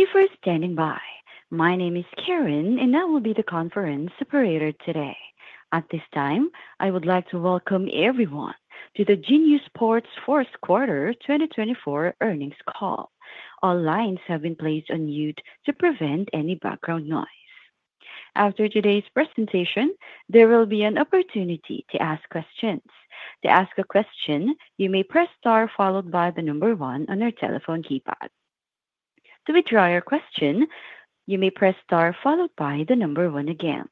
Thank you for standing by. My name is Karen, and I will be the conference operator today. At this time, I would like to welcome everyone to the Genius Sports Q1 2024 Earnings Call. All lines have been placed on mute to prevent any background noise. After today's presentation, there will be an opportunity to ask questions. To ask a question, you may press star followed by the number one on your telephone keypad. To withdraw your question, you may press star followed by the number one again.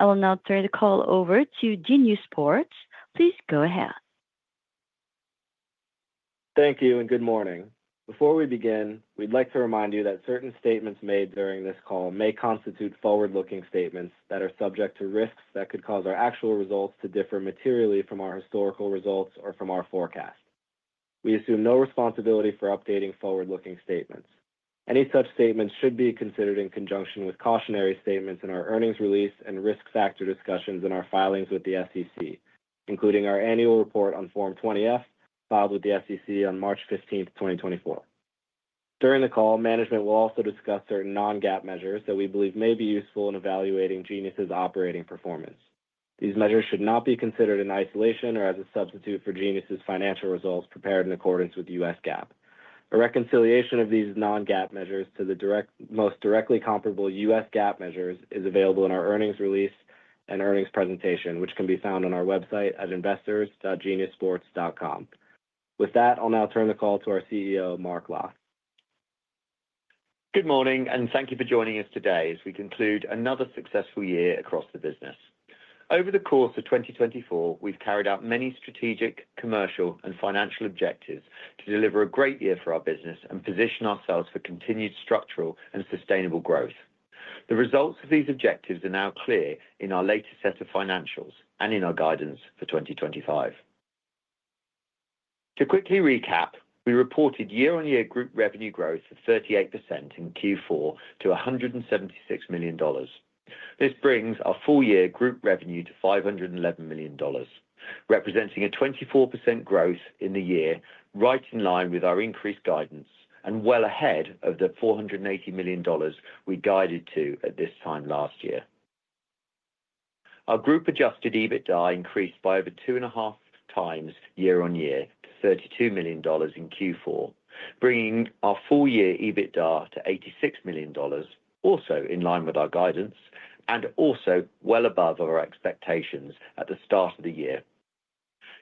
I will now turn the call over to Genius Sports. Please go ahead. Thank you and good morning. Before we begin, we'd like to remind you that certain statements made during this call may constitute forward-looking statements that are subject to risks that could cause our actual results to differ materially from our historical results or from our forecast. We assume no responsibility for updating forward-looking statements. Any such statements should be considered in conjunction with cautionary statements in our earnings release and risk factor discussions in our filings with the SEC, including our annual report on Form 20-F filed with the SEC on March 15, 2024. During the call, management will also discuss certain non-GAAP measures that we believe may be useful in evaluating Genius's operating performance. These measures should not be considered in isolation or as a substitute for Genius's financial results prepared in accordance with U.S. GAAP. A reconciliation of these non-GAAP measures to the most directly comparable U.S. GAAP measures is available in our earnings release and earnings presentation, which can be found on our website at investors.geniussports.com. With that, I'll now turn the call to our CEO, Mark Locke. Good morning, and thank you for joining us today as we conclude another successful year across the business. Over the course of 2024, we've carried out many strategic, commercial, and financial objectives to deliver a great year for our business and position ourselves for continued structural and sustainable growth. The results of these objectives are now clear in our latest set of financials and in our guidance for 2025. To quickly recap, we reported year-on-year group revenue growth of 38% in Q4 to $176 million. This brings our full-year group revenue to $511 million, representing a 24% growth in the year, right in line with our increased guidance and well ahead of the $480 million we guided to at this time last year. Our group-adjusted EBITDA increased by over two and a half times year-on-year to $32 million in Q4, bringing our full-year EBITDA to $86 million, also in line with our guidance and also well above our expectations at the start of the year.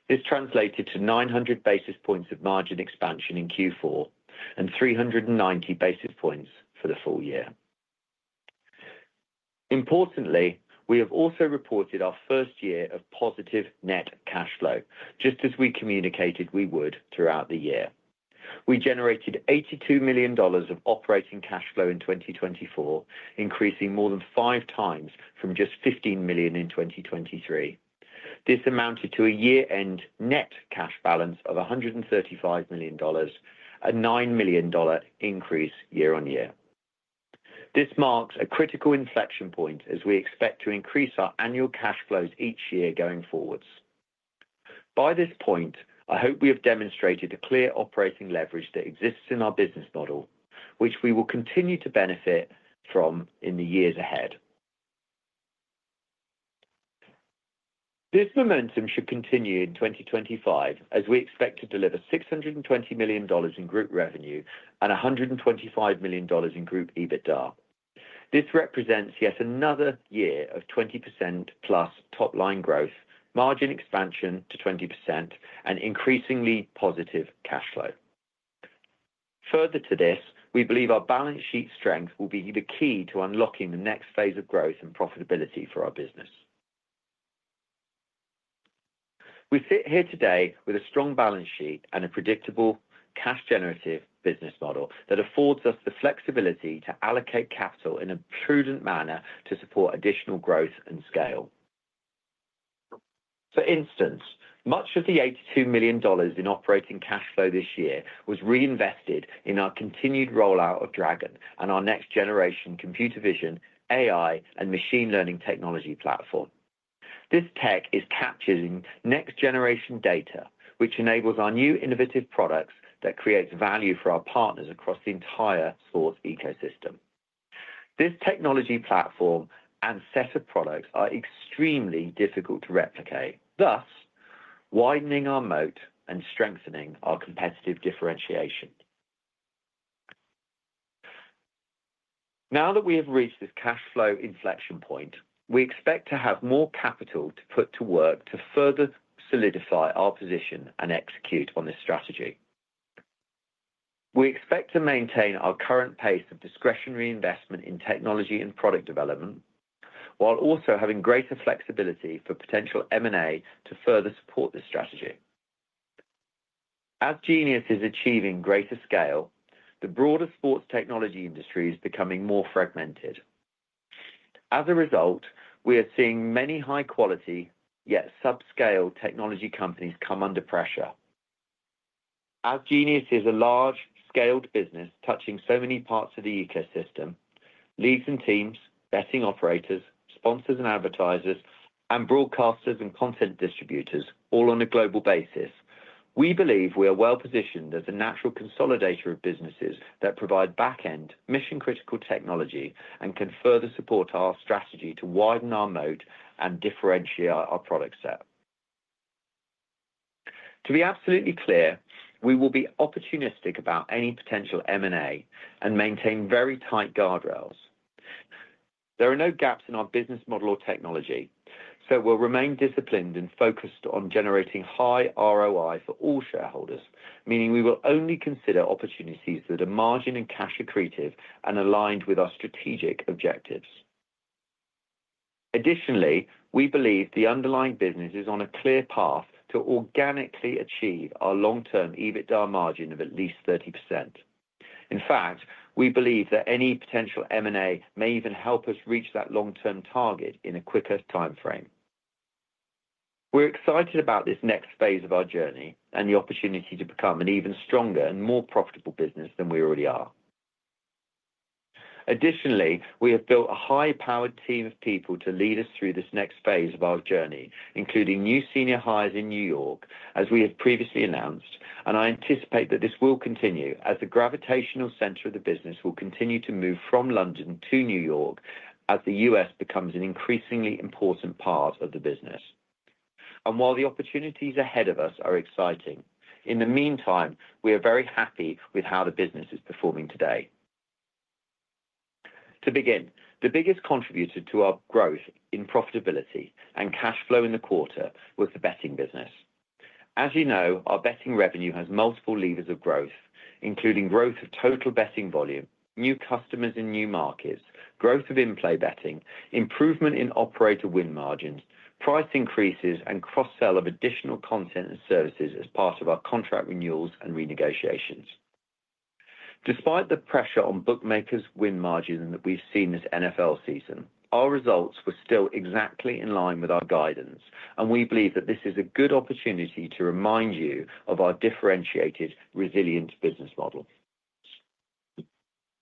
This translated to 900 basis points of margin expansion in Q4 and 390 basis points for the full year. Importantly, we have also reported our first year of positive net cash flow, just as we communicated we would throughout the year. We generated $82 million of operating cash flow in 2024, increasing more than five times from just $15 million in 2023. This amounted to a year-end net cash balance of $135 million, a $9 million increase year-on-year. This marks a critical inflection point as we expect to increase our annual cash flows each year going forward. By this point, I hope we have demonstrated a clear operating leverage that exists in our business model, which we will continue to benefit from in the years ahead. This momentum should continue in 2025 as we expect to deliver $620 million in group revenue and $125 million in group EBITDA. This represents yet another year of 20% plus top-line growth, margin expansion to 20%, and increasingly positive cash flow. Further to this, we believe our balance sheet strength will be the key to unlocking the next phase of growth and profitability for our business. We sit here today with a strong balance sheet and a predictable cash-generative business model that affords us the flexibility to allocate capital in a prudent manner to support additional growth and scale. For instance, much of the $82 million in operating cash flow this year was reinvested in our continued rollout of Dragon and our next-generation computer vision, AI, and machine learning technology platform. This tech is capturing next-generation data, which enables our new innovative products that create value for our partners across the entire sports ecosystem. This technology platform and set of products are extremely difficult to replicate, thus widening our moat and strengthening our competitive differentiation. Now that we have reached this cash flow inflection point, we expect to have more capital to put to work to further solidify our position and execute on this strategy. We expect to maintain our current pace of discretionary investment in technology and product development while also having greater flexibility for potential M&A to further support this strategy. As Genius is achieving greater scale, the broader sports technology industry is becoming more fragmented. As a result, we are seeing many high-quality yet subscale technology companies come under pressure. As Genius is a large-scaled business touching so many parts of the ecosystem, leads and teams, betting operators, sponsors and advertisers, and broadcasters and content distributors, all on a global basis, we believe we are well positioned as a natural consolidator of businesses that provide back-end mission-critical technology and can further support our strategy to widen our moat and differentiate our product set. To be absolutely clear, we will be opportunistic about any potential M&A and maintain very tight guardrails. There are no gaps in our business model or technology, so we'll remain disciplined and focused on generating high ROI for all shareholders, meaning we will only consider opportunities that are margin and cash accretive and aligned with our strategic objectives. Additionally, we believe the underlying business is on a clear path to organically achieve our long-term EBITDA margin of at least 30%. In fact, we believe that any potential M&A may even help us reach that long-term target in a quicker timeframe. We're excited about this next phase of our journey and the opportunity to become an even stronger and more profitable business than we already are. Additionally, we have built a high-powered team of people to lead us through this next phase of our journey, including new senior hires in New York, as we have previously announced, and I anticipate that this will continue as the gravitational center of the business will continue to move from London to New York as the U.S. becomes an increasingly important part of the business. And while the opportunities ahead of us are exciting, in the meantime, we are very happy with how the business is performing today. To begin, the biggest contributor to our growth in profitability and cash flow in the quarter was the betting business. As you know, our betting revenue has multiple levers of growth, including growth of total betting volume, new customers in new markets, growth of in-play betting, improvement in operator win margins, price increases, and cross-sell of additional content and services as part of our contract renewals and renegotiations. Despite the pressure on bookmakers' win margin that we've seen this NFL season, our results were still exactly in line with our guidance, and we believe that this is a good opportunity to remind you of our differentiated, resilient business model.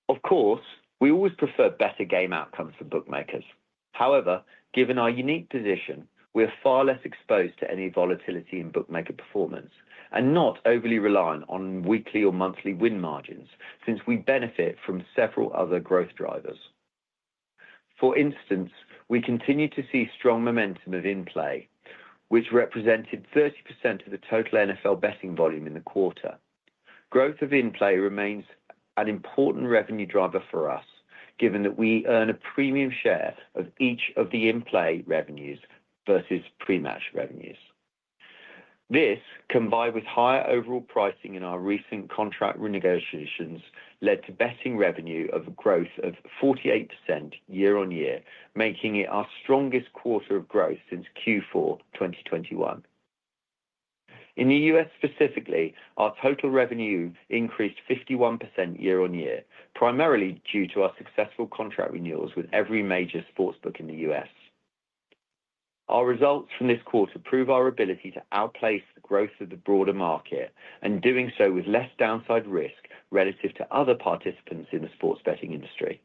Of course, we always prefer better game outcomes for bookmakers. However, given our unique position, we are far less exposed to any volatility in bookmaker performance and not overly reliant on weekly or monthly win margins since we benefit from several other growth drivers. For instance, we continue to see strong momentum of in-play, which represented 30% of the total NFL betting volume in the quarter. Growth of in-play remains an important revenue driver for us, given that we earn a premium share of each of the in-play revenues versus pre-match revenues. This, combined with higher overall pricing in our recent contract renegotiations, led to betting revenue of a growth of 48% year-on-year, making it our strongest quarter of growth since Q4 2021. In the U.S. specifically, our total revenue increased 51% year-on-year, primarily due to our successful contract renewals with every major sports book in the U.S. Our results from this quarter prove our ability to outpace the growth of the broader market and doing so with less downside risk relative to other participants in the sports betting industry.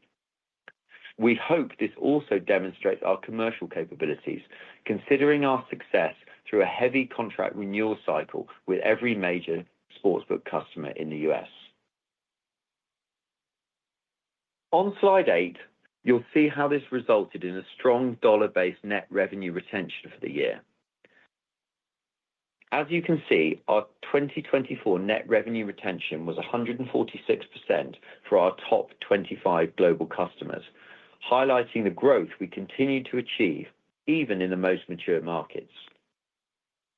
We hope this also demonstrates our commercial capabilities, considering our success through a heavy contract renewal cycle with every major sports book customer in the U.S. On slide eight, you'll see how this resulted in a strong Dollar-based net revenue retention for the year. As you can see, our 2024 net revenue retention was 146% for our top 25 global customers, highlighting the growth we continue to achieve even in the most mature markets.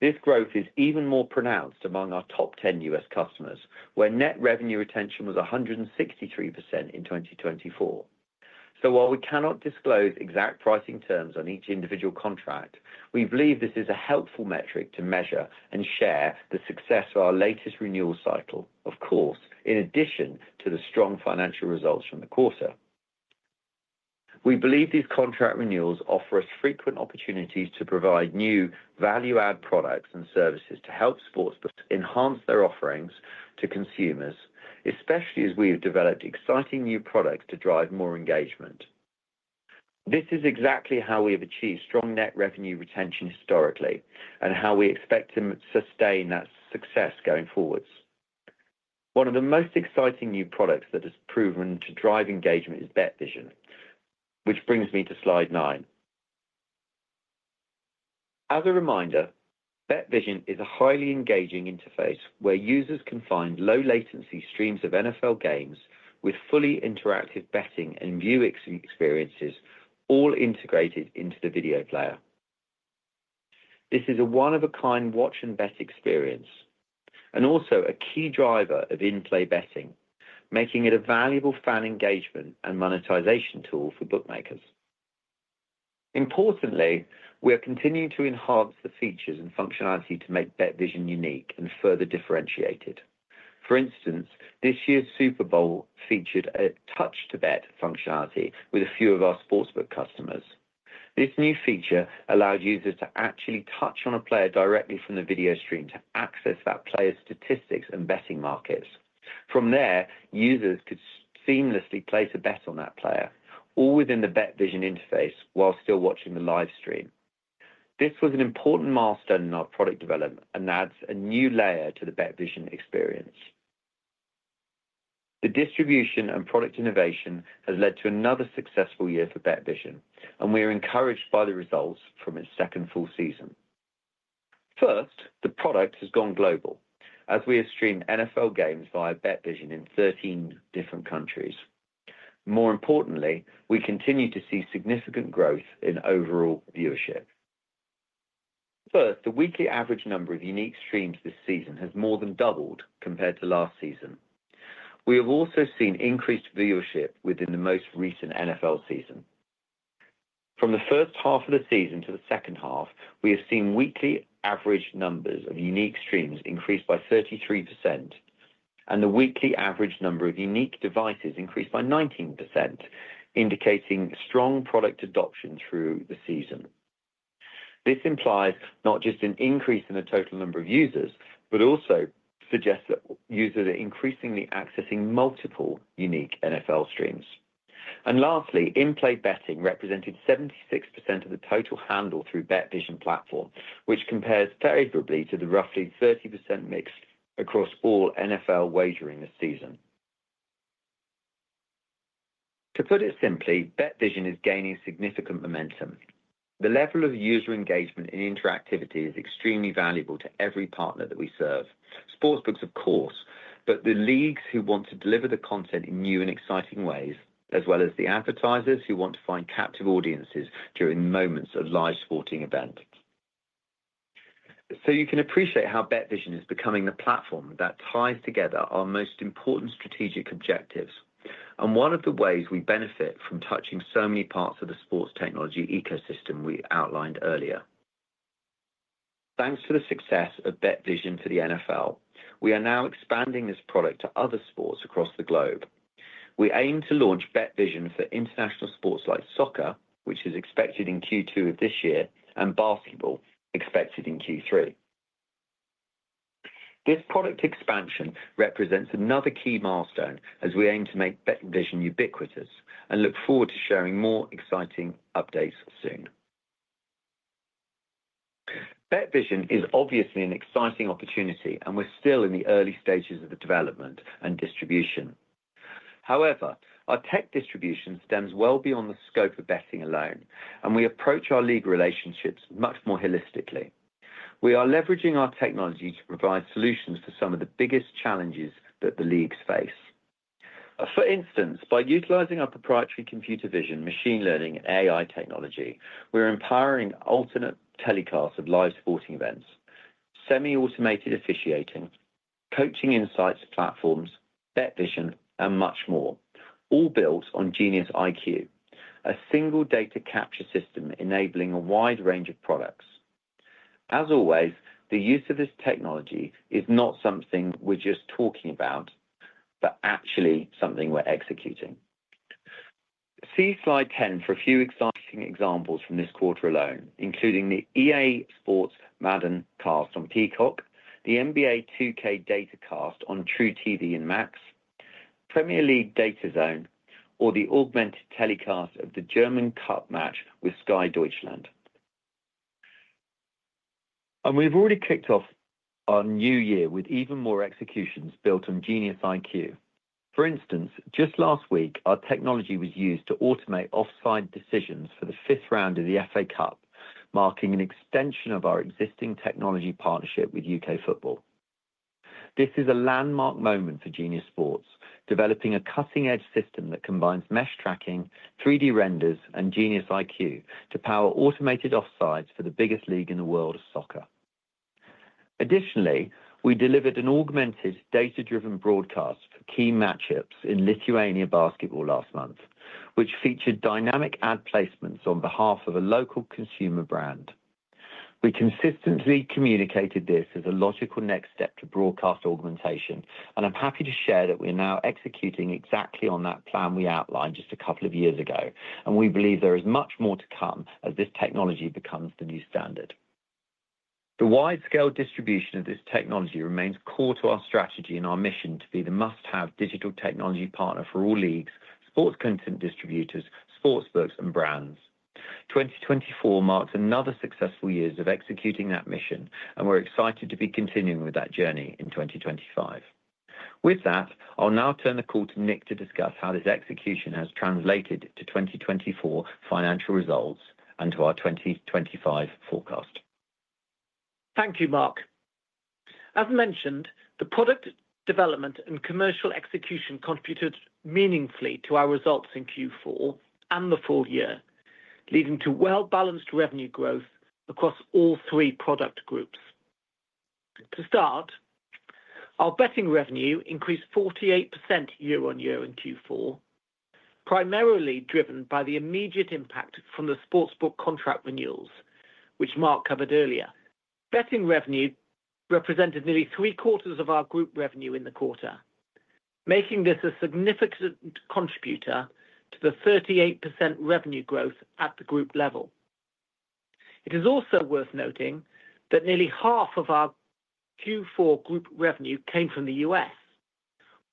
This growth is even more pronounced among our top 10 U.S. customers, where net revenue retention was 163% in 2024. So while we cannot disclose exact pricing terms on each individual contract, we believe this is a helpful metric to measure and share the success of our latest renewal cycle, of course, in addition to the strong financial results from the quarter. We believe these contract renewals offer us frequent opportunities to provide new value-add products and services to help sports enhance their offerings to consumers, especially as we have developed exciting new products to drive more engagement. This is exactly how we have achieved strong net revenue retention historically and how we expect to sustain that success going forwards. One of the most exciting new products that has proven to drive engagement is BetVision, which brings me to slide nine. As a reminder, BetVision is a highly engaging interface where users can find low-latency streams of NFL games with fully interactive betting and viewing experiences, all integrated into the video player. This is a one-of-a-kind watch-and-bet experience and also a key driver of in-play betting, making it a valuable fan engagement and monetization tool for bookmakers. Importantly, we are continuing to enhance the features and functionality to make BetVision unique and further differentiated. For instance, this year's Super Bowl featured a touch-to-bet functionality with a few of our sports book customers. This new feature allowed users to actually touch on a player directly from the video stream to access that player's statistics and betting markets. From there, users could seamlessly place a bet on that player, all within the BetVision interface while still watching the live stream. This was an important milestone in our product development and adds a new layer to the BetVision experience. The distribution and product innovation has led to another successful year for BetVision, and we are encouraged by the results from its second full season. First, the product has gone global as we have streamed NFL games via BetVision in 13 different countries. More importantly, we continue to see significant growth in overall viewership. First, the weekly average number of unique streams this season has more than doubled compared to last season. We have also seen increased viewership within the most recent NFL season. From the first half of the season to the second half, we have seen weekly average numbers of unique streams increase by 33%, and the weekly average number of unique devices increased by 19%, indicating strong product adoption through the season. This implies not just an increase in the total number of users, but also suggests that users are increasingly accessing multiple unique NFL streams. And lastly, in-play betting represented 76% of the total handle through BetVision platform, which compares favorably to the roughly 30% mix across all NFL wagering this season. To put it simply, BetVision is gaining significant momentum. The level of user engagement and interactivity is extremely valuable to every partner that we serve, sports books, of course, but the leagues who want to deliver the content in new and exciting ways, as well as the advertisers who want to find captive audiences during moments of live sporting event. So you can appreciate how BetVision is becoming the platform that ties together our most important strategic objectives and one of the ways we benefit from touching so many parts of the sports technology ecosystem we outlined earlier. Thanks to the success of BetVision for the NFL, we are now expanding this product to other sports across the globe. We aim to launch BetVision for international sports like soccer, which is expected in Q2 of this year, and basketball, expected in Q3. This product expansion represents another key milestone as we aim to make BetVision ubiquitous and look forward to sharing more exciting updates soon. BetVision is obviously an exciting opportunity, and we're still in the early stages of the development and distribution. However, our tech distribution stems well beyond the scope of betting alone, and we approach our league relationships much more holistically. We are leveraging our technology to provide solutions for some of the biggest challenges that the leagues face. For instance, by utilizing our proprietary computer vision, machine learning, and AI technology, we're empowering alternate telecasts of live sporting events, semi-automated officiating, coaching insights platforms, BetVision, and much more, all built on GeniusIQ, a single data capture system enabling a wide range of products. As always, the use of this technology is not something we're just talking about, but actually something we're executing. See slide 10 for a few exciting examples from this quarter alone, including the EA Sports Madden Cast on Peacock, the NBA 2K Data Cast on TruTV and Max, Premier League Data Zone, or the augmented telecast of the German Cup match with Sky Deutschland. We've already kicked off our new year with even more executions built on GeniusIQ. For instance, just last week, our technology was used to automate offside decisions for the fifth round of the FA Cup, marking an extension of our existing technology partnership with U.K. football. This is a landmark moment for Genius Sports, developing a cutting-edge system that combines mesh tracking, 3D renders, and GeniusIQ to power automated offsides for the biggest league in the world of soccer. Additionally, we delivered an augmented data-driven broadcast for key matchups in Lithuanian basketball last month, which featured dynamic ad placements on behalf of a local consumer brand. We consistently communicated this as a logical next step to broadcast augmentation, and I'm happy to share that we are now executing exactly on that plan we outlined just a couple of years ago, and we believe there is much more to come as this technology becomes the new standard. The wide-scale distribution of this technology remains core to our strategy and our mission to be the must-have digital technology partner for all leagues, sports content distributors, sports books, and brands. 2024 marks another successful year of executing that mission, and we're excited to be continuing with that journey in 2025. With that, I'll now turn the call to Nick to discuss how this execution has translated to 2024 financial results and to our 2025 forecast. Thank you, Mark. As mentioned, the product development and commercial execution contributed meaningfully to our results in Q4 and the full year, leading to well-balanced revenue growth across all three product groups. To start, our betting revenue increased 48% year-on-year in Q4, primarily driven by the immediate impact from the sports book contract renewals, which Mark covered earlier. Betting revenue represented nearly three-quarters of our group revenue in the quarter, making this a significant contributor to the 38% revenue growth at the group level. It is also worth noting that nearly half of our Q4 group revenue came from the U.S.,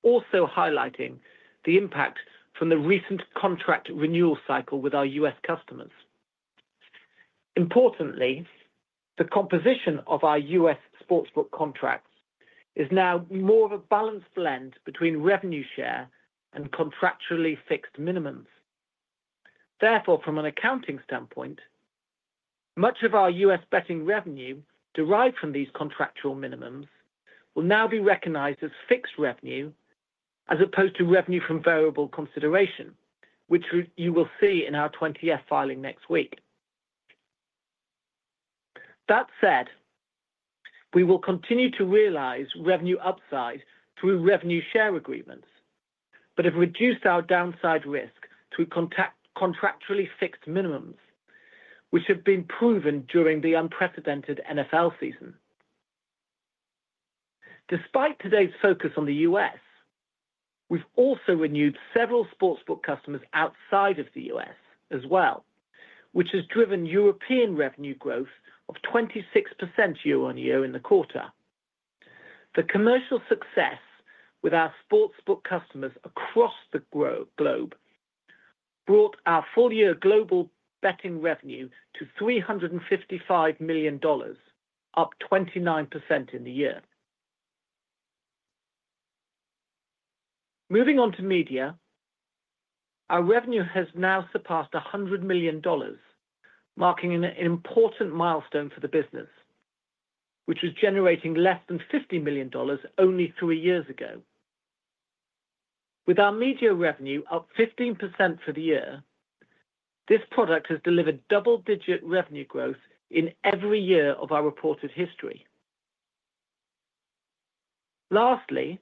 also highlighting the impact from the recent contract renewal cycle with our U.S. customers. Importantly, the composition of our U.S. sports book contracts is now more of a balanced blend between revenue share and contractually fixed minimums. Therefore, from an accounting standpoint, much of our U.S. betting revenue derived from these contractual minimums will now be recognized as fixed revenue as opposed to revenue from variable consideration, which you will see in our 20-F filing next week. That said, we will continue to realize revenue upside through revenue share agreements, but have reduced our downside risk through contractually fixed minimums, which have been proven during the unprecedented NFL season. Despite today's focus on the U.S., we've also renewed several sports book customers outside of the U.S. as well, which has driven European revenue growth of 26% year-on-year in the quarter. The commercial success with our sports book customers across the globe brought our full-year global betting revenue to $355 million, up 29% in the year. Moving on to media, our revenue has now surpassed $100 million, marking an important milestone for the business, which was generating less than $50 million only three years ago. With our media revenue up 15% for the year, this product has delivered double-digit revenue growth in every year of our reported history. Lastly,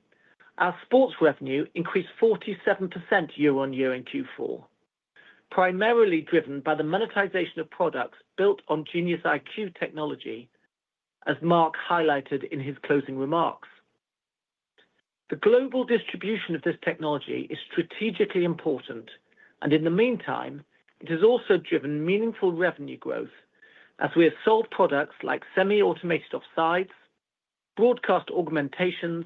our sports revenue increased 47% year-on-year in Q4, primarily driven by the monetization of products built on GeniusIQ technology, as Mark highlighted in his closing remarks. The global distribution of this technology is strategically important, and in the meantime, it has also driven meaningful revenue growth as we have sold products like semi-automated offside, broadcast augmentations,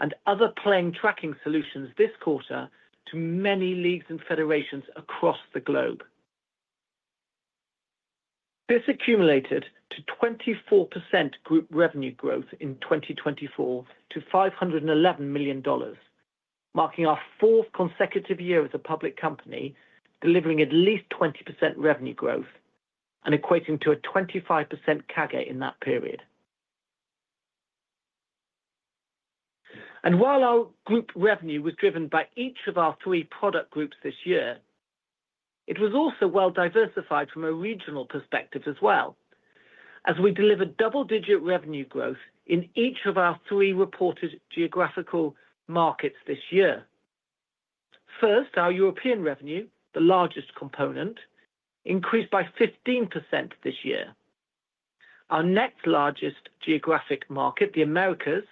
and other player tracking solutions this quarter to many leagues and federations across the globe. This accumulated to 24% group revenue growth in 2024 to $511 million, marking our fourth consecutive year as a public company delivering at least 20% revenue growth and equating to a 25% CAGR in that period. While our group revenue was driven by each of our three product groups this year, it was also well-diversified from a regional perspective as well, as we delivered double-digit revenue growth in each of our three reported geographical markets this year. First, our European revenue, the largest component, increased by 15% this year. Our next largest geographic market, the Americas,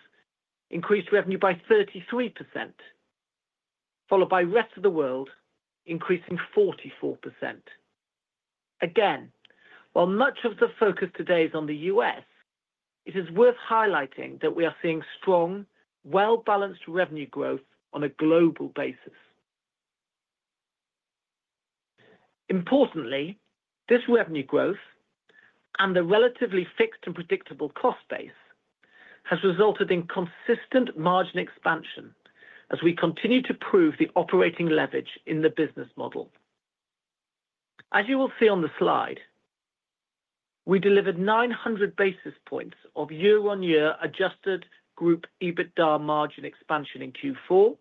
increased revenue by 33%, followed by the rest of the world, increasing 44%. Again, while much of the focus today is on the U.S., it is worth highlighting that we are seeing strong, well-balanced revenue growth on a global basis. Importantly, this revenue growth and the relatively fixed and predictable cost base has resulted in consistent margin expansion as we continue to prove the operating leverage in the business model. As you will see on the slide, we delivered 900 basis points of year-on-year adjusted group EBITDA margin expansion in Q4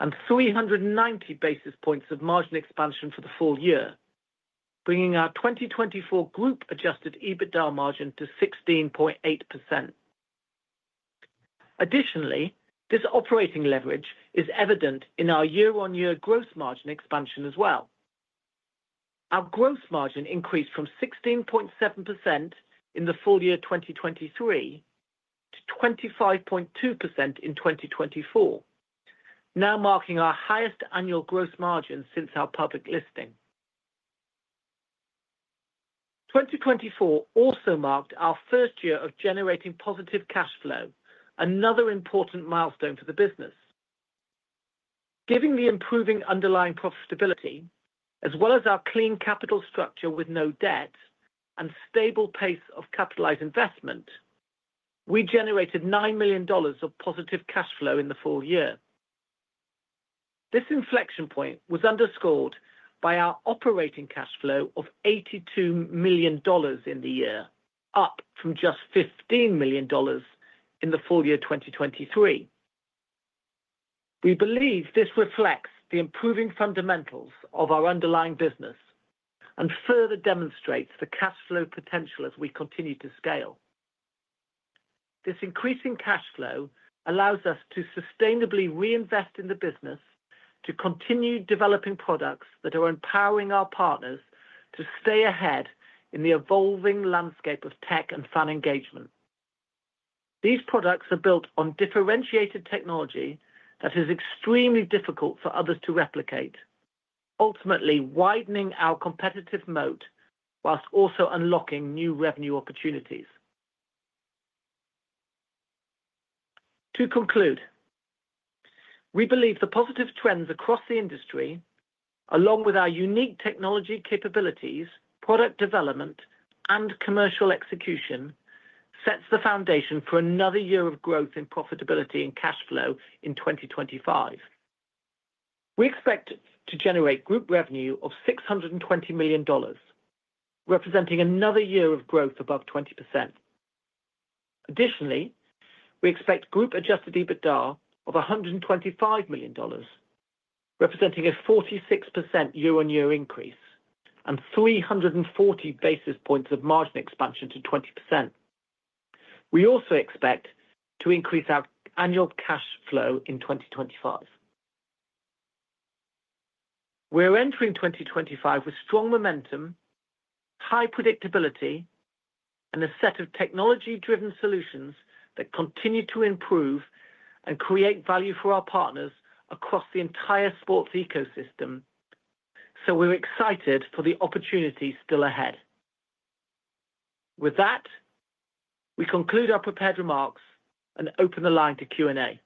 and 390 basis points of margin expansion for the full year, bringing our 2024 group adjusted EBITDA margin to 16.8%. Additionally, this operating leverage is evident in our year-on-year gross margin expansion as well. Our gross margin increased from 16.7% in the full year 2023 to 25.2% in 2024, now marking our highest annual gross margin since our public listing. 2024 also marked our first year of generating positive cash flow, another important milestone for the business. Given the improving underlying profitability, as well as our clean capital structure with no debt and stable pace of capitalized investment, we generated $9 million of positive cash flow in the full year. This inflection point was underscored by our operating cash flow of $82 million in the year, up from just $15 million in the full year 2023. We believe this reflects the improving fundamentals of our underlying business and further demonstrates the cash flow potential as we continue to scale. This increasing cash flow allows us to sustainably reinvest in the business to continue developing products that are empowering our partners to stay ahead in the evolving landscape of tech and fan engagement. These products are built on differentiated technology that is extremely difficult for others to replicate, ultimately widening our competitive moat while also unlocking new revenue opportunities. To conclude, we believe the positive trends across the industry, along with our unique technology capabilities, product development, and commercial execution, set the foundation for another year of growth in profitability and cash flow in 2025. We expect to generate group revenue of $620 million, representing another year of growth above 20%. Additionally, we expect group adjusted EBITDA of $125 million, representing a 46% year-on-year increase and 340 basis points of margin expansion to 20%. We also expect to increase our annual cash flow in 2025. We're entering 2025 with strong momentum, high predictability, and a set of technology-driven solutions that continue to improve and create value for our partners across the entire sports ecosystem, so we're excited for the opportunities still ahead. With that, we conclude our prepared remarks and open the line to Q&A.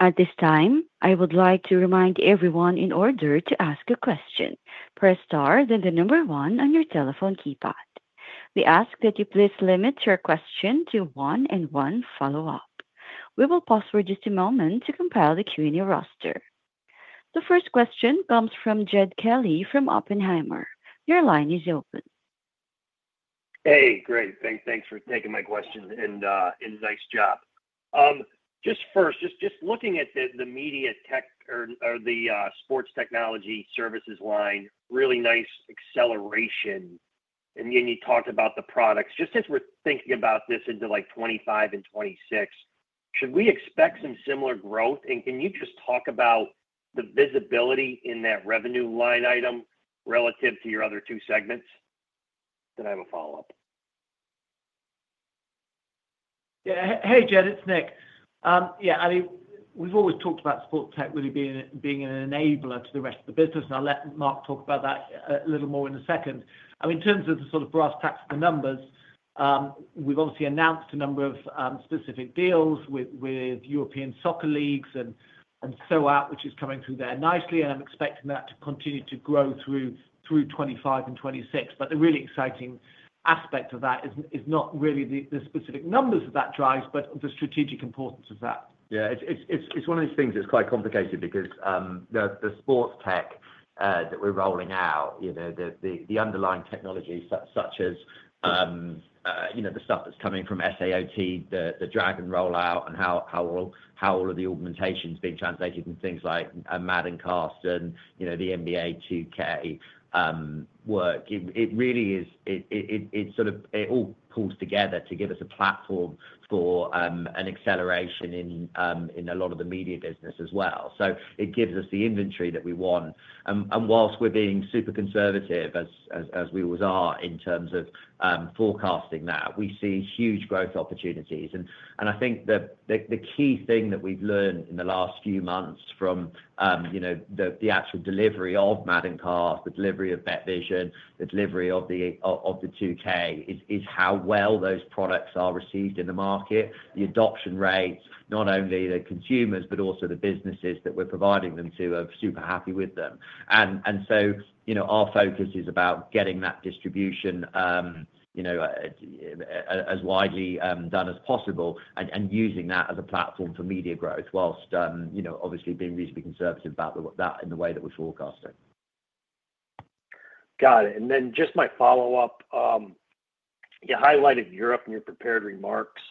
At this time, I would like to remind everyone in order to ask a question, press star, then the number one on your telephone keypad. We ask that you please limit your question to one and one follow-up. We will pause for just a moment to compile the Q&A roster. The first question comes from Jed Kelley from Oppenheimer. Your line is open. Hey, great. Thanks for taking my question and nice job. Just first, just looking at the media tech or the sports technology services line, really nice acceleration, and then you talked about the products. Just as we're thinking about this into like 2025 and 2026, should we expect some similar growth and can you just talk about the visibility in that revenue line item relative to your other two segments, then I have a follow-up. Yeah. Hey, Jed, it's Nick. Yeah, I mean, we've always talked about sports tech really being an enabler to the rest of the business. I'll let Mark talk about that a little more in a second. I mean, in terms of the sort of brass tacks of the numbers, we've obviously announced a number of specific deals with European soccer leagues and so on, which is coming through there nicely, and I'm expecting that to continue to grow through 2025 and 2026. But the really exciting aspect of that is not really the specific numbers that that drives, but the strategic importance of that. Yeah, it's one of these things that's quite complicated because the sports tech that we're rolling out, the underlying technology, such as the stuff that's coming from SAOT, the Dragon rollout, and how all of the augmentation is being translated in things like Madden Cast and the NBA 2K work, it really is, it sort of, it all pulls together to give us a platform for an acceleration in a lot of the media business as well. So it gives us the inventory that we want. And whilst we're being super conservative, as we always are in terms of forecasting that, we see huge growth opportunities. I think the key thing that we've learned in the last few months from the actual delivery of Madden Cast, the delivery of BetVision, the delivery of the 2K, is how well those products are received in the market, the adoption rates, not only the consumers, but also the businesses that we're providing them to are super happy with them. And so our focus is about getting that distribution as widely done as possible and using that as a platform for media growth whilst obviously being reasonably conservative about that in the way that we're forecasting. Got it. And then just my follow-up, you highlighted Europe in your prepared remarks.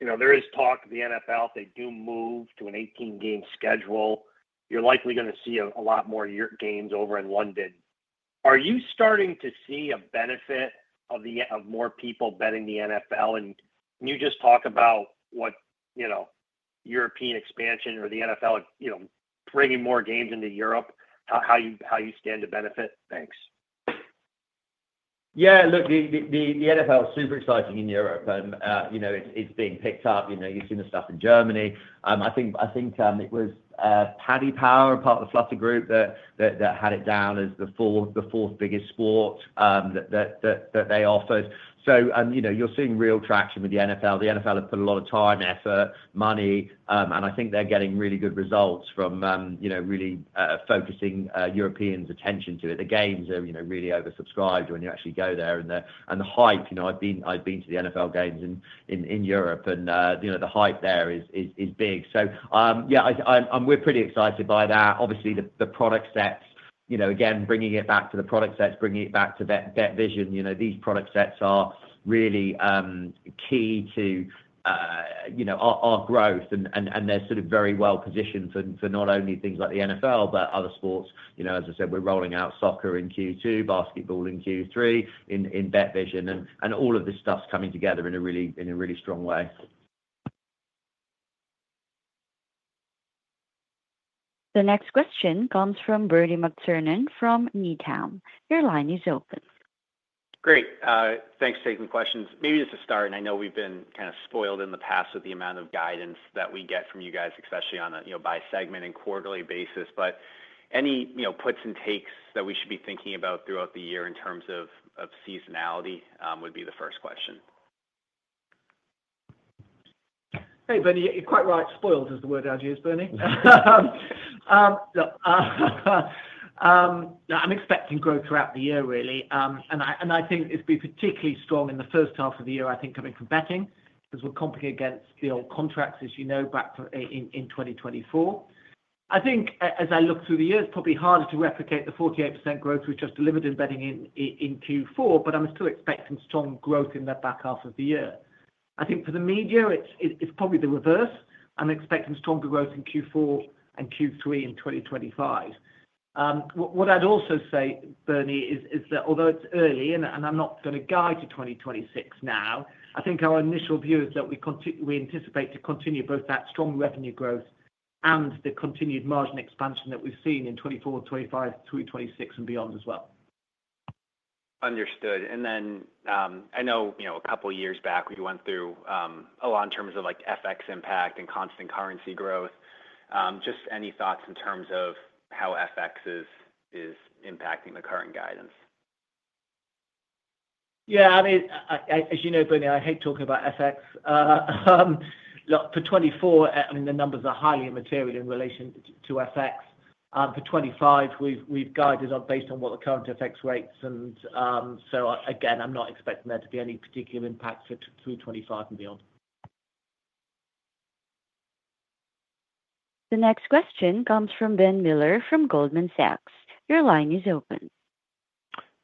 There is talk of the NFL. They do move to an 18-game schedule. You're likely going to see a lot more games over in London. Are you starting to see a benefit of more people betting the NFL? And can you just talk about what European expansion or the NFL bringing more games into Europe, how you stand to benefit? Thanks. Yeah, look, the NFL is super exciting in Europe. It's being picked up. You've seen the stuff in Germany. I think it was Paddy Power, part of the Flutter group, that had it down as the fourth biggest sport that they offered. So you're seeing real traction with the NFL. The NFL has put a lot of time, effort, money, and I think they're getting really good results from really focusing Europeans' attention to it. The games are really oversubscribed when you actually go there. The hype, I've been to the NFL games in Europe, and the hype there is big. So yeah, we're pretty excited by that. Obviously, the product sets, again, bringing it back to the product sets, bringing it back to BetVision. These product sets are really key to our growth, and they're sort of very well positioned for not only things like the NFL, but other sports. As I said, we're rolling out soccer in Q2, basketball in Q3, in BetVision, and all of this stuff's coming together in a really strong way. The next question comes from Bernie McTernan from Needham. Your line is open. Great. Thanks for taking the questions. Maybe just to start, and I know we've been kind of spoiled in the past with the amount of guidance that we get from you guys, especially on a by-segment and quarterly basis, but any puts and takes that we should be thinking about throughout the year in terms of seasonality would be the first question? Hey, Bernie, you're quite right. Spoiled is the word I'd use, Bernie. No, I'm expecting growth throughout the year, really, and I think it's been particularly strong in the first half of the year, I think, coming from betting because we're competing against the old contracts, as you know, back in 2024. I think as I look through the year, it's probably harder to replicate the 48% growth we've just delivered in betting in Q4, but I'm still expecting strong growth in that back half of the year. I think for the media, it's probably the reverse. I'm expecting stronger growth in Q4 and Q3 in 2025. What I'd also say, Bernie, is that although it's early, and I'm not going to guide to 2026 now, I think our initial view is that we anticipate to continue both that strong revenue growth and the continued margin expansion that we've seen in 2024, 2025, through 2026 and beyond as well. Understood. And then I know a couple of years back, we went through a lot in terms of FX impact and constant currency growth. Just any thoughts in terms of how FX is impacting the current guidance? Yeah, I mean, as you know, Bernie, I hate talking about FX. Look, for 2024, I mean, the numbers are highly immaterial in relation to FX. For 2025, we've guided on based on what the current FX rates are. And so again, I'm not expecting there to be any particular impact through 2025 and beyond. The next question comes from Ben Miller from Goldman Sachs. Your line is open.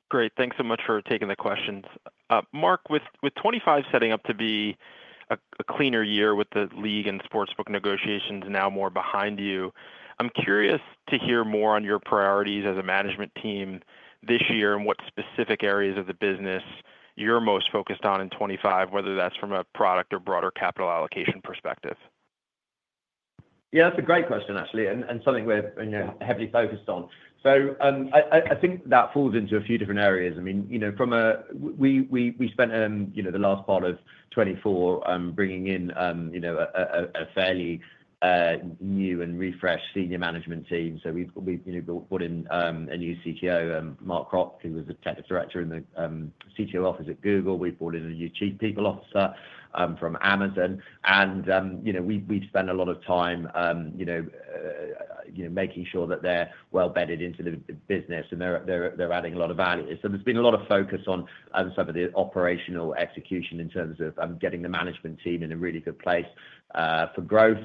Great. Thanks so much for taking the questions. Mark, with 2025 setting up to be a cleaner year with the league and sportsbook negotiations now more behind you, I'm curious to hear more on your priorities as a management team this year and what specific areas of the business you're most focused on in 2025, whether that's from a product or broader capital allocation perspective? Yeah, that's a great question, actually, and something we're heavily focused on. So I think that falls into a few different areas. I mean, from a we spent the last part of 2024 bringing in a fairly new and refreshed senior management team. So we've brought in a new CTO, Mark Cropp, who was a technical director in the CTO office at Google. We've brought in a new Chief People Officer from Amazon. And we've spent a lot of time making sure that they're well bedded into the business, and they're adding a lot of value. So there's been a lot of focus on some of the operational execution in terms of getting the management team in a really good place for growth.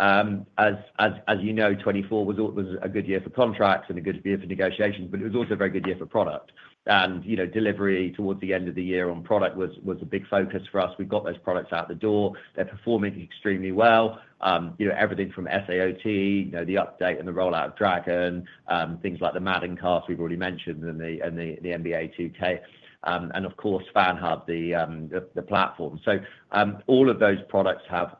As you know, 2024 was a good year for contracts and a good year for negotiations, but it was also a very good year for product. And delivery towards the end of the year on product was a big focus for us. We've got those products out the door. They're performing extremely well. Everything from SAOT, the update and the rollout of Dragon, things like the Madden Cast we've already mentioned, and the NBA 2K, and of course, FanHub, the platform. So all of those products have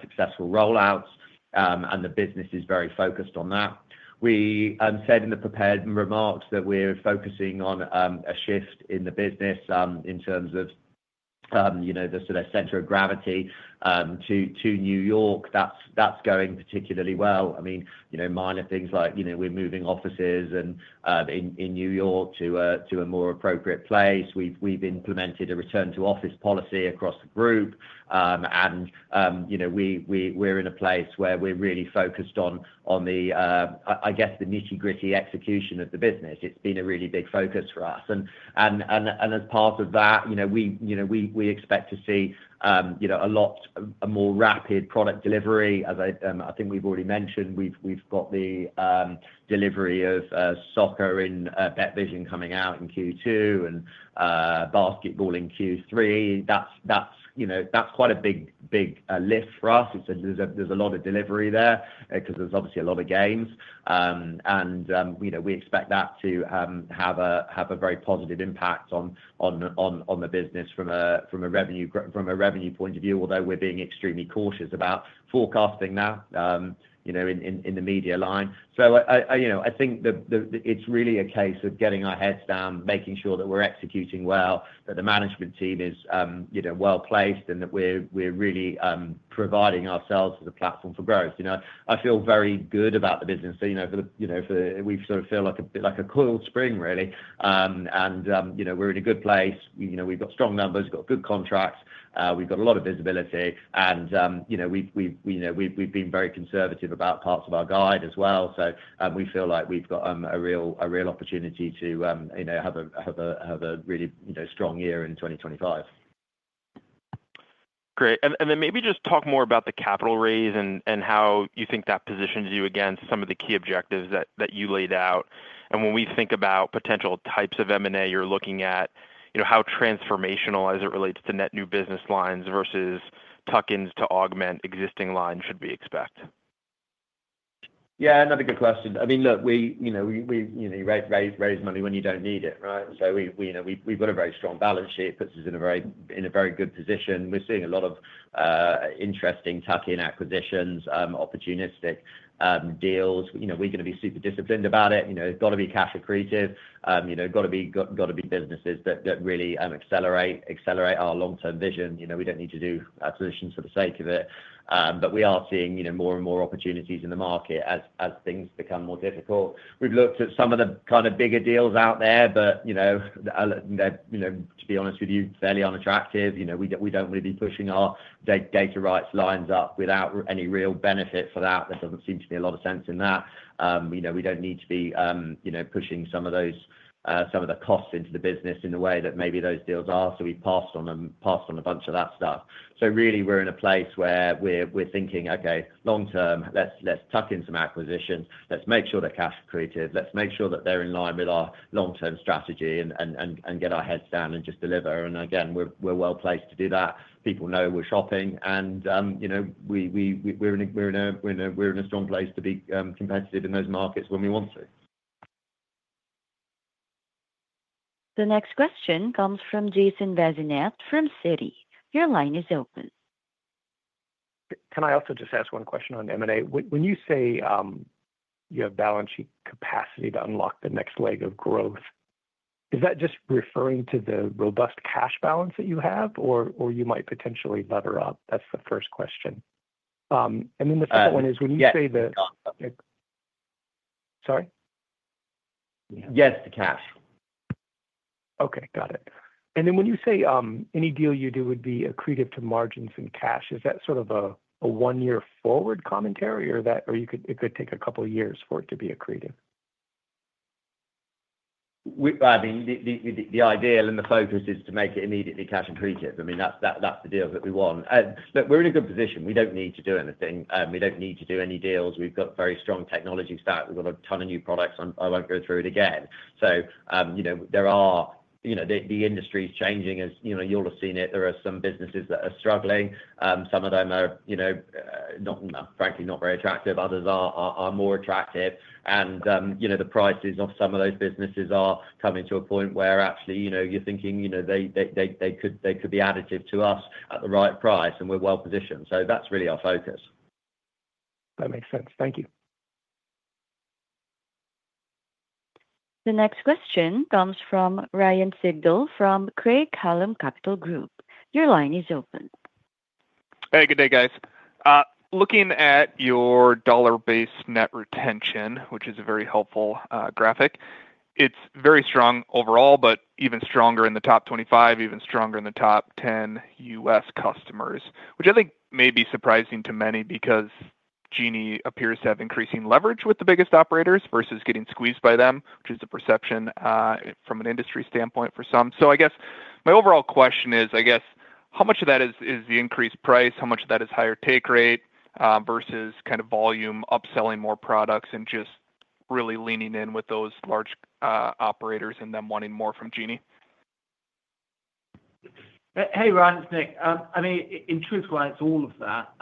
successful rollouts, and the business is very focused on that. We said in the prepared remarks that we're focusing on a shift in the business in terms of the sort of center of gravity to New York. That's going particularly well. I mean, minor things like we're moving offices in New York to a more appropriate place. We've implemented a return-to-office policy across the group. And we're in a place where we're really focused on the, I guess, the nitty-gritty execution of the business. It's been a really big focus for us. And as part of that, we expect to see a lot of more rapid product delivery. I think we've already mentioned we've got the delivery of soccer in BetVision coming out in Q2 and basketball in Q3. That's quite a big lift for us. There's a lot of delivery there because there's obviously a lot of games, and we expect that to have a very positive impact on the business from a revenue point of view, although we're being extremely cautious about forecasting that in the media line. So I think it's really a case of getting our heads down, making sure that we're executing well, that the management team is well placed, and that we're really providing ourselves as a platform for growth. I feel very good about the business, so we sort of feel like a coiled spring, really, and we're in a good place. We've got strong numbers, got good contracts. We've got a lot of visibility. We've been very conservative about parts of our guide as well. So we feel like we've got a real opportunity to have a really strong year in 2025. Great. Then maybe just talk more about the capital raise and how you think that positions you against some of the key objectives that you laid out. When we think about potential types of M&A, you're looking at how transformational as it relates to net new business lines versus tuck-ins to augment existing lines should we expect? Yeah, another good question. I mean, look, we raise money when you don't need it, right? So we've got a very strong balance sheet, puts us in a very good position. We're seeing a lot of interesting tuck-in acquisitions, opportunistic deals. We're going to be super disciplined about it. It's got to be cash accretive. Got to be businesses that really accelerate our long-term vision. We don't need to do acquisitions for the sake of it. But we are seeing more and more opportunities in the market as things become more difficult. We've looked at some of the kind of bigger deals out there, but to be honest with you, fairly unattractive. We don't want to be pushing our data rights lines up without any real benefit for that. There doesn't seem to be a lot of sense in that. We don't need to be pushing some of the costs into the business in the way that maybe those deals are. So we've passed on a bunch of that stuff. So really, we're in a place where we're thinking, "Okay, long-term, let's tuck in some acquisitions. Let's make sure they're cash accretive. Let's make sure that they're in line with our long-term strategy and get our heads down and just deliver." And again, we're well placed to do that. People know we're shopping. And we're in a strong place to be competitive in those markets when we want to. The next question comes from Jason Bazinet from Citi. Your line is open. Can I also just ask one question on M&A? When you say you have balance sheet capacity to unlock the next leg of growth, is that just referring to the robust cash balance that you have or you might potentially lever up? That's the first question. And then the second one is when you say the. Yeah, the cash balance. Sorry? Yes, the cash. Okay, got it. And then when you say any deal you do would be accretive to margins and cash, is that sort of a one-year-forward commentary or it could take a couple of years for it to be accretive? I mean, the idea and the focus is to make it immediately cash accretive. I mean, that's the deal that we want. Look, we're in a good position. We don't need to do anything. We don't need to do any deals. We've got very strong technology stack. We've got a ton of new products. I won't go through it again. So the industry is changing. As you'll have seen, there are some businesses that are struggling. Some of them are, frankly, not very attractive. Others are more attractive. The prices of some of those businesses are coming to a point where actually you're thinking they could be additive to us at the right price and we're well positioned. So that's really our focus. That makes sense. Thank you. The next question comes from Ryan Sigdahl from Craig-Hallum Capital Group. Your line is open. Hey, good day, guys. Looking at your dollar-based net retention, which is a very helpful graphic, it's very strong overall, but even stronger in the top 25, even stronger in the top 10 U.S. customers, which I think may be surprising to many because Genius appears to have increasing leverage with the biggest operators versus getting squeezed by them, which is the perception from an industry standpoint for some. So I guess my overall question is, I guess, how much of that is the increased price? How much of that is higher take rate versus kind of volume upselling more products and just really leaning in with those large operators and them wanting more from Genius? Hey, Ryan, it's Nick. I mean, in truth, Ryan, it's all of that.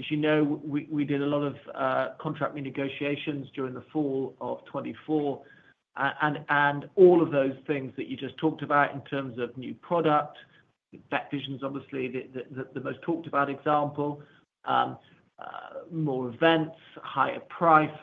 As you know, we did a lot of contract renegotiations during the fall of 2024. And all of those things that you just talked about in terms of new product, BetVision's obviously the most talked-about example, more events, higher price,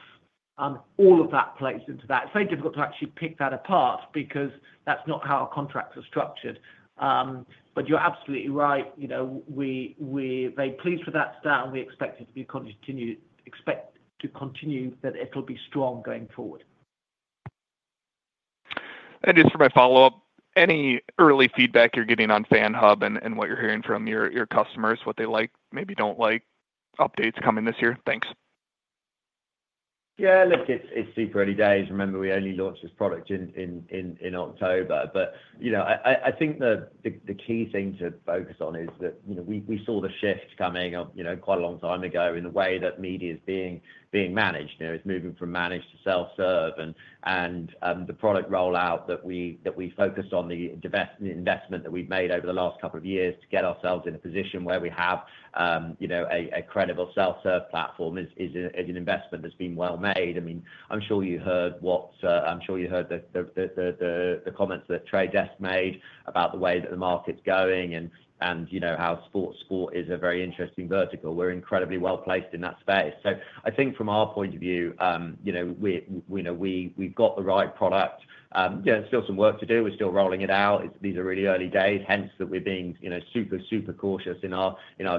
all of that plays into that. It's very difficult to actually pick that apart because that's not how our contracts are structured. But you're absolutely right. We're very pleased with that style. We expect it to continue that it'll be strong going forward. And just for my follow-up, any early feedback you're getting on FanHub and what you're hearing from your customers, what they like, maybe don't like updates coming this year? Thanks. Yeah, look, it's super early days. Remember, we only launched this product in October. But I think the key thing to focus on is that we saw the shift coming quite a long time ago in the way that media is being managed. It's moving from managed to self-serve. And the product rollout that we focused on, the investment that we've made over the last couple of years to get ourselves in a position where we have a credible self-serve platform is an investment that's been well made. I mean, I'm sure you heard the comments that The Trade Desk made about the way that the market's going and how sports is a very interesting vertical. We're incredibly well placed in that space. So I think from our point of view, we've got the right product. There's still some work to do. We're still rolling it out. These are really early days, hence that we're being super, super cautious in our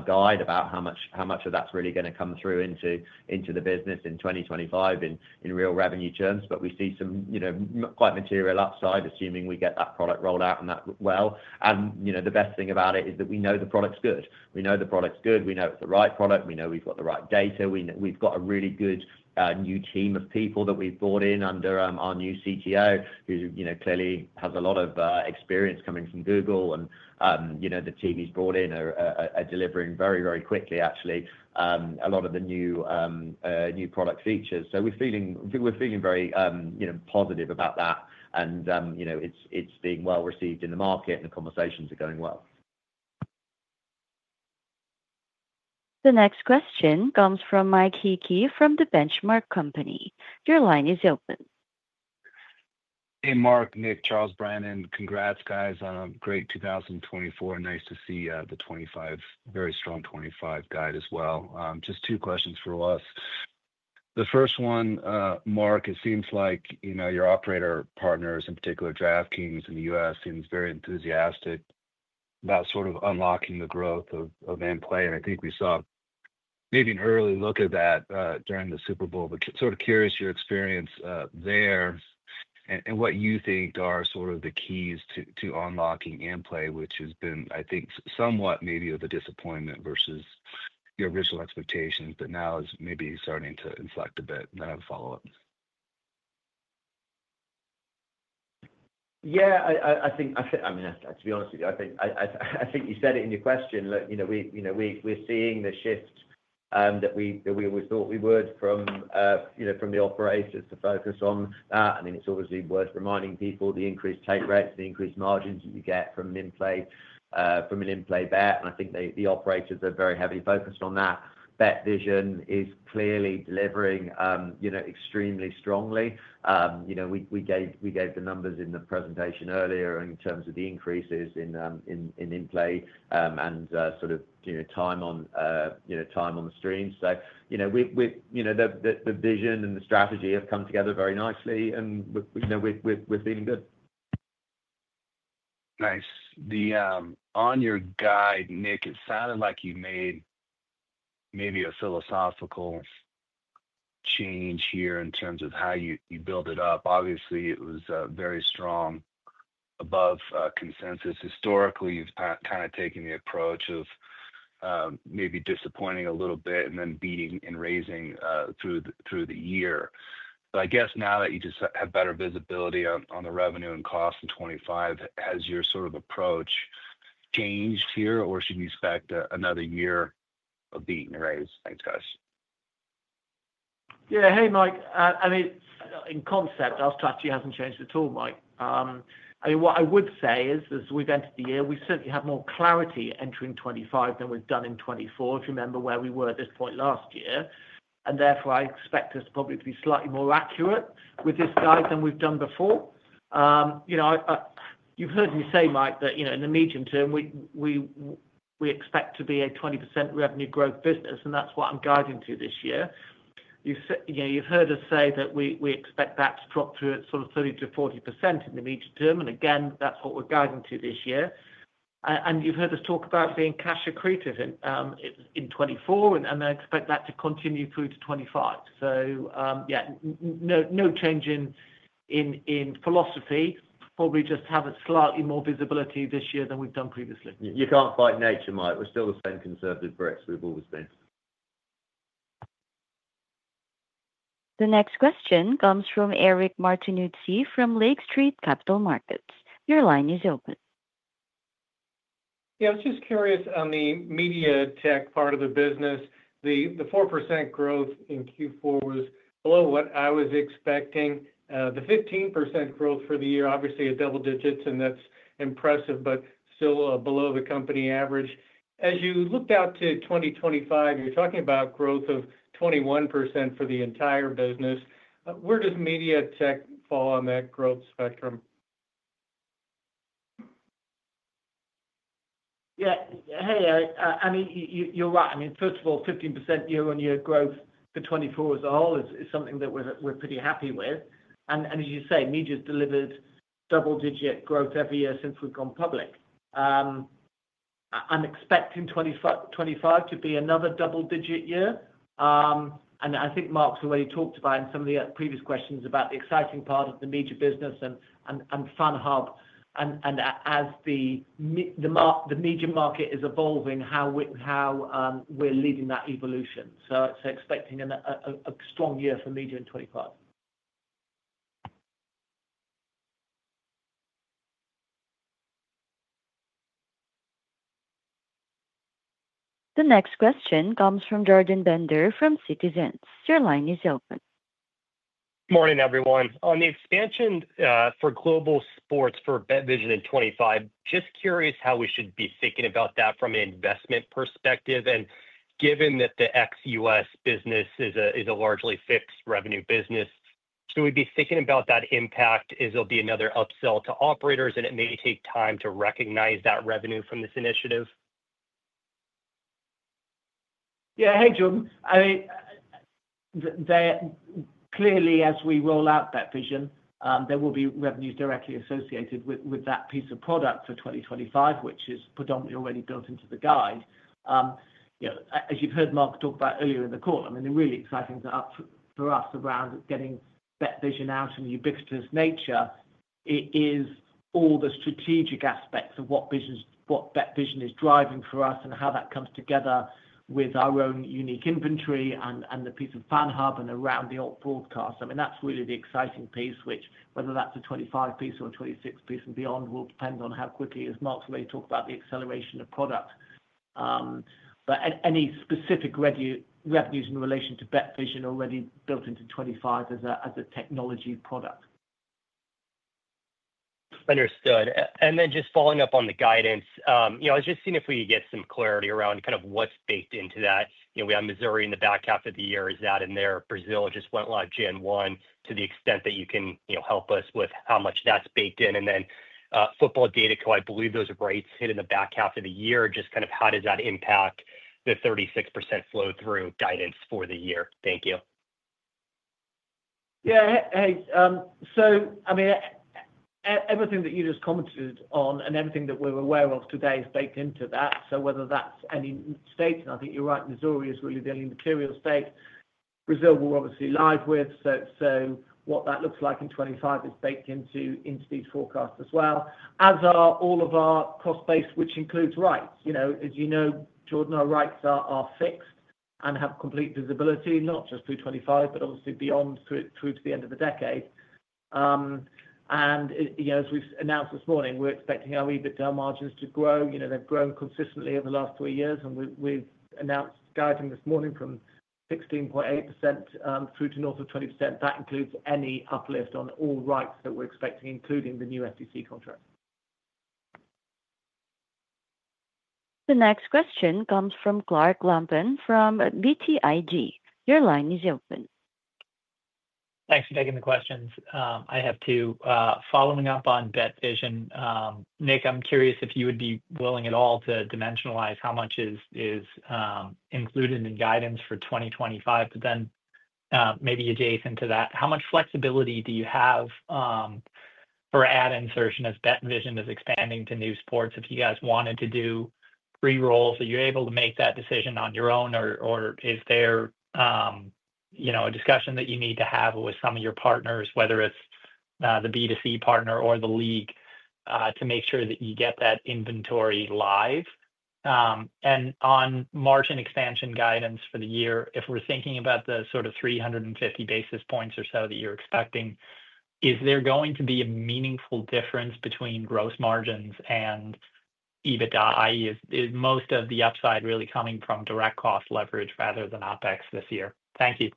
guide about how much of that's really going to come through into the business in 2025 in real revenue terms. But we see some quite material upside, assuming we get that product rolled out and that well. And the best thing about it is that we know the product's good. We know the product's good. We know it's the right product. We know we've got the right data. We've got a really good new team of people that we've brought in under our new CTO, who clearly has a lot of experience coming from Google, and the team he's brought in are delivering very, very quickly, actually, a lot of the new product features. So we're feeling very positive about that, and it's being well received in the market, and the conversations are going well. The next question comes from Mike Hickey from The Benchmark Company. Your line is open. Hey, Mark, Nick, Charles, Brandon. Congrats, guys, on a great 2024. Nice to see the 25, very strong 25 guide as well. Just two questions for us. The first one, Mark, it seems like your operator partners, in particular, DraftKings in the U.S., seem very enthusiastic about sort of unlocking the growth of in-play. And I think we saw maybe an early look at that during the Super Bowl. But sort of curious your experience there and what you think are sort of the keys to unlocking in-play, which has been, I think, somewhat maybe of a disappointment versus your original expectations, but now is maybe starting to inflect a bit? And then I have a follow-up. Yeah, I think, I mean, to be honest with you, I think you said it in your question. Look, we're seeing the shift that we always thought we would from the operators to focus on that. I mean, it's obviously worth reminding people the increased take rates, the increased margins that you get from an in-play bet. And I think the operators are very heavily focused on that. BetVision is clearly delivering extremely strongly. We gave the numbers in the presentation earlier in terms of the increases in in-play and sort of time on the stream. So the vision and the strategy have come together very nicely, and we're feeling good. Nice. On your guide, Nick, it sounded like you made maybe a philosophical change here in terms of how you build it up. Obviously, it was very strong above consensus. Historically, you've kind of taken the approach of maybe disappointing a little bit and then beating and raising through the year. But I guess now that you just have better visibility on the revenue and cost in 2025, has your sort of approach changed here, or should we expect another year of beating and raise? Thanks, guys. Yeah. Hey, Mike. I mean, in concept, our strategy hasn't changed at all, Mike. I mean, what I would say is, as we've entered the year, we certainly have more clarity entering 2025 than we've done in 2024, if you remember where we were at this point last year, and therefore, I expect us probably to be slightly more accurate with this guide than we've done before. You've heard me say, Mike, that in the medium term, we expect to be a 20% revenue growth business, and that's what I'm guiding to this year. You've heard us say that we expect that to drop to sort of 30%-40% in the medium term, and again, that's what we're guiding to this year, and you've heard us talk about being cash accretive in 2024, and I expect that to continue through to 2025, so yeah, no change in philosophy. Probably just have a slightly more visibility this year than we've done previously. You can't fight nature, Mike. We're still the same conservative bricks we've always been. The next question comes from Eric Martinuzzi from Lake Street Capital Markets. Your line is open. Yeah, I was just curious on the media tech part of the business. The 4% growth in Q4 was below what I was expecting. The 15% growth for the year, obviously a double-digit, and that's impressive, but still below the company average. As you looked out to 2025, you're talking about growth of 21% for the entire business. Where does media tech fall on that growth spectrum? Yeah. Hey, I mean, you're right. I mean, first of all, 15% year-on-year growth for 2024 as a whole is something that we're pretty happy with. And as you say, media's delivered double-digit growth every year since we've gone public. I'm expecting 2025 to be another double-digit year. And I think Mark's already talked about in some of the previous questions about the exciting part of the media business and FanHub. And as the media market is evolving, how we're leading that evolution. So expecting a strong year for media in 2025. The next question comes from Jordan Bender from Citizens. Your line is open. Morning, everyone. On the expansion for global sports for BetVision in 2025, just curious how we should be thinking about that from an investment perspective. And given that the ex-U.S. business is a largely fixed revenue business, should we be thinking about that impact as there'll be another upsell to operators and it may take time to recognize that revenue from this initiative? Yeah. Hey, Jordan. I mean, clearly, as we roll out BetVision, there will be revenues directly associated with that piece of product for 2025, which is predominantly already built into the guide. As you've heard Mark talk about earlier in the call, I mean, the really exciting thing for us around getting BetVision out and the ubiquitous nature is all the strategic aspects of what BetVision is driving for us and how that comes together with our own unique inventory and the piece of FanHub and around the alt broadcast. I mean, that's really the exciting piece, which whether that's a 2025 piece or a 2026 piece and beyond will depend on how quickly, as Mark's already talked about, the acceleration of product. But any specific revenues in relation to BetVision already built into 2025 as a technology product. Understood. And then, just following up on the guidance, I was just seeing if we could get some clarity around kind of what's baked into that. We have Missouri in the back half of the year. Is that in there? Brazil just went live Gen 1 to the extent that you can help us with how much that's baked in. And then football data, I believe those rates hit in the back half of the year. Just kind of how does that impact the 36% flow-through guidance for the year? Thank you. Yeah. Hey, so I mean, everything that you just commented on and everything that we're aware of today is baked into that. So whether that's any state, and I think you're right, Missouri is really the only material state Brazil will obviously live with. So what that looks like in 2025 is baked into these forecasts as well, as are all of our cost base, which includes rights. As you know, Jordan, our rights are fixed and have complete visibility, not just through 2025, but obviously beyond through to the end of the decade. And as we've announced this morning, we're expecting our EBITDA margins to grow. They've grown consistently over the last three years. And we've announced guidance this morning from 16.8% through to north of 20%. That includes any uplift on all rights that we're expecting, including the new FTC contract. The next question comes from Clark Lampen from BTIG. Your line is open. Thanks for taking the questions. I have two. Following up on BetVision, Nick, I'm curious if you would be willing at all to dimensionalize how much is included in guidance for 2025, but then maybe adjacent to that, how much flexibility do you have for ad insertion as BetVision is expanding to new sports? If you guys wanted to do pre-rolls, are you able to make that decision on your own, or is there a discussion that you need to have with some of your partners, whether it's the B2C partner or the league, to make sure that you get that inventory live? And on margin expansion guidance for the year, if we're thinking about the sort of 350 basis points or so that you're expecting, is there going to be a meaningful difference between gross margins and EBITDA? I mean, is most of the upside really coming from direct cost leverage rather than OpEx this year? Thank you.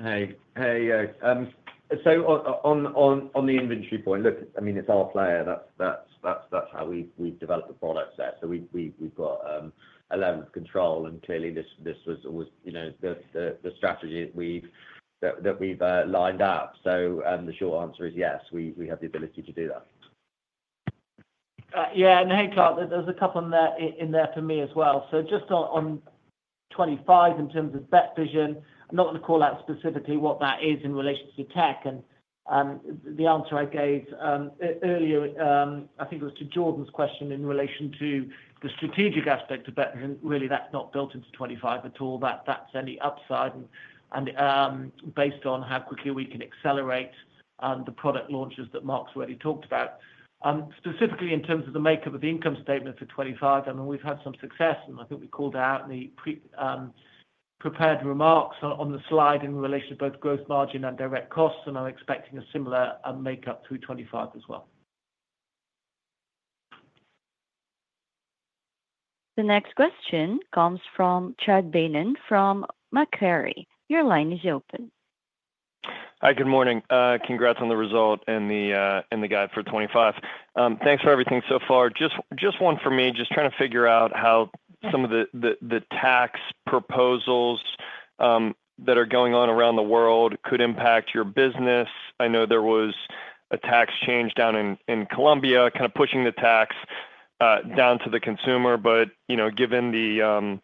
Hey. Hey. So on the inventory point, look, I mean, it's our player. That's how we've developed the product set. So we've got a level of control. And clearly, this was always the strategy that we've lined up. So the short answer is yes, we have the ability to do that. Yeah. And hey, Clark, there's a couple in there for me as well. So just on '25 in terms of BetVision, I'm not going to call out specifically what that is in relation to tech. And the answer I gave earlier, I think it was to Jordan's question in relation to the strategic aspect of BetVision, really, that's not built into '25 at all. That's any upside. Based on how quickly we can accelerate the product launches that Mark's already talked about, specifically in terms of the makeup of the income statement for 2025, I mean, we've had some success. I think we called out in the prepared remarks on the slide in relation to both gross margin and direct costs. I'm expecting a similar makeup through 2025 as well. The next question comes from Chad Beynon from Macquarie. Your line is open. Hi, good morning. Congrats on the result and the guide for 2025. Thanks for everything so far. Just one for me, just trying to figure out how some of the tax proposals that are going on around the world could impact your business. I know there was a tax change down in Colombia, kind of pushing the tax down to the consumer. But given the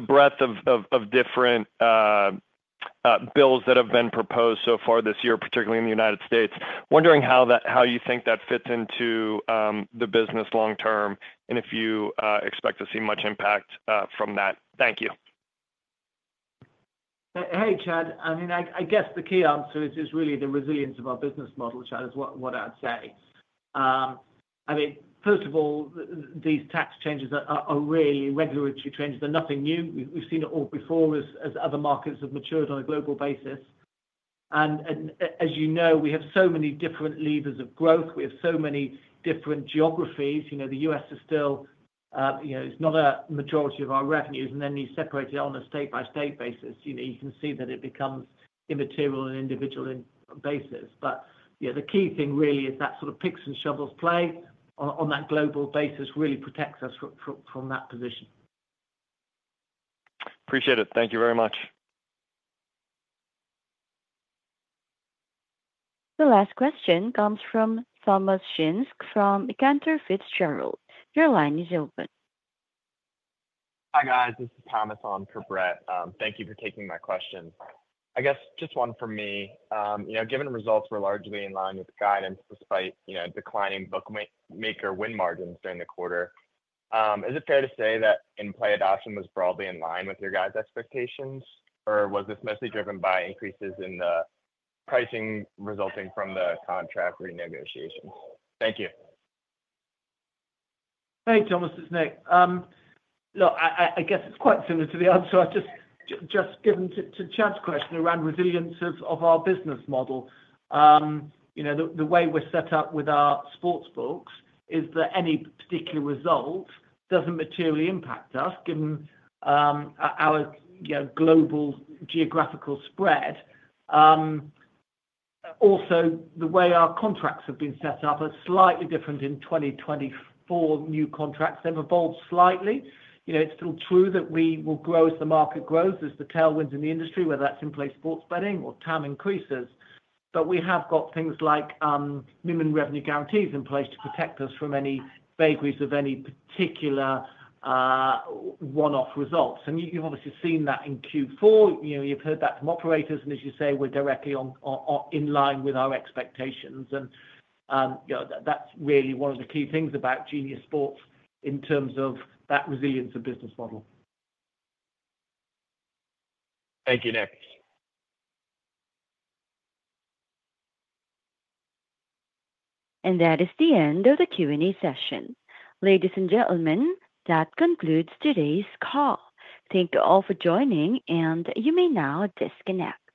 breadth of different bills that have been proposed so far this year, particularly in the United States, wondering how you think that fits into the business long term and if you expect to see much impact from that? Thank you. Hey, Chad. I mean, I guess the key answer is really the resilience of our business model, Chad, is what I'd say. I mean, first of all, these tax changes are really regulatory changes. They're nothing new. We've seen it all before as other markets have matured on a global basis. And as you know, we have so many different levers of growth. We have so many different geographies. The U.S. is still, it's not a majority of our revenues. And then you separate it on a state-by-state basis. You can see that it becomes immaterial on an individual basis. But the key thing really is that sort of picks and shovels play on that global basis really protects us from that position. Appreciate it. Thank you very much. The last question comes from Thomas Shinske from Cantor Fitzgerald. Your line is open. Hi, guys. This is Thomas on for Brett. Thank you for taking my question. I guess just one for me. Given results were largely in line with guidance despite declining bookmaker win margins during the quarter, is it fair to say that in-play adoption was broadly in line with your guys' expectations, or was this mostly driven by increases in the pricing resulting from the contract renegotiations? Thank you. Hey, Thomas, it's Nick. Look, I guess it's quite similar to the answer I just given to Chad's question around resilience of our business model. The way we're set up with our sports books is that any particular result doesn't materially impact us given our global geographical spread. Also, the way our contracts have been set up are slightly different in 2024 new contracts. They've evolved slightly. It's still true that we will grow as the market grows, as the tailwinds in the industry, whether that's in-play sports betting or TAM increases. But we have got things like minimum revenue guarantees in place to protect us from any vagaries of any particular one-off results. And you've obviously seen that in Q4. You've heard that from operators. And as you say, we're directly in line with our expectations. And that's really one of the key things about Genius Sports in terms of that resilience of business model. Thank you, Nick. And that is the end of the Q&A session. Ladies and gentlemen, that concludes today's call. Thank you all for joining, and you may now disconnect.